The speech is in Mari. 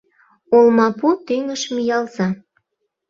Олмапу тӱныш миялза.